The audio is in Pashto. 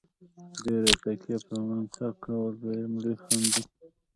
ډېره تکیه په منطق کول دویم لوی خنډ دی.